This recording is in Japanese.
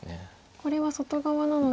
これは外側なので。